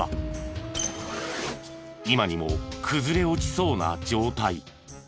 今にも崩れ落ちそうな状態。